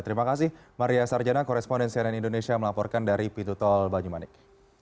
terima kasih maria sarjana koresponden cnn indonesia melaporkan dari pintu tol banyumanik